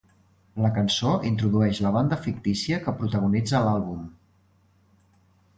La cançó introdueix la banda fictícia que protagonitza l'àlbum.